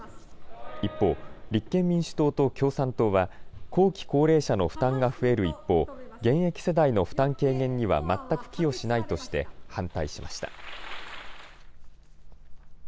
一方、立憲民主党と共産党は後期高齢者の負担が増える一方、現役世代の負担軽減には全く寄与しないとして反対しました。